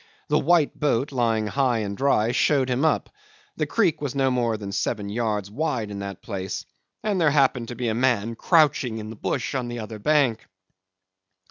The white boat, lying high and dry, showed him up; the creek was no more than seven yards wide in that place, and there happened to be a man crouching in the bush on the other bank.